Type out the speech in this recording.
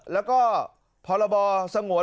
แล้วก็พรบสงวน